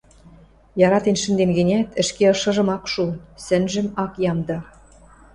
яратен шӹнден гӹнят, ӹшке ышыжым ак шу, сӹнжӹм ак ямды».